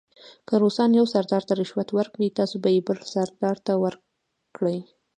که روسان یو سردار ته رشوت ورکړي تاسې به یې بل سردار ته ورکړئ.